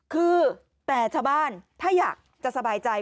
คือแต่ชาวบ้านถ้าอยากจะสบายใจ